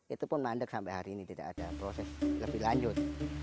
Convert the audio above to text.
itu pun mandek sampai hari ini tidak ada proses lebih lanjut